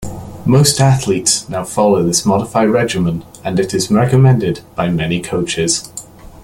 Most athletes now follow this modified regimen and it is recommended by many coaches.